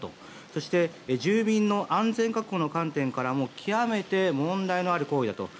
そして住民の安全確保の観点からも極めて問題のある行為だと。